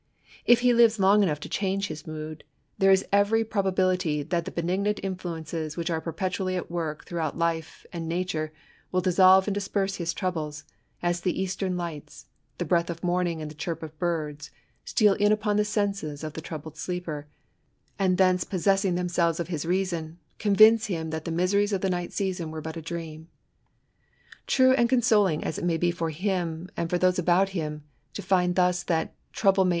If he lives long enough to change hh mood, there is every probability that the benignant influences which are perpetually at work through * out life and nature will dissolve and disperse his troubles, as the eastern lights, the breath of morn ing and the chirp of birds, steal in upon the senses of the troubled sleeper, and thence possessing themselves of his reason, convince him that the miseries of the night season were but a dream. True and consoling as it maybe for him, and for those about him, to find thus that ^^ trouble may b3 10 B8SATS.